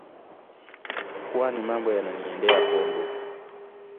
Kwani mambo yananiendea kombo